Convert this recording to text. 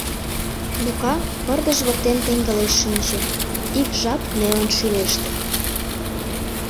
Лука пырдыж воктен теҥгылеш шинче, ик жап нелын шӱлеште.